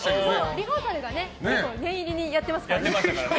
リハーサルが結構念入りにやってますからね。